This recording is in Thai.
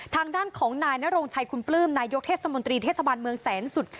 ทางด้านของนายนโรงชัยคุณปลื้มนายกเทศมนตรีเทศบาลเมืองแสนสุด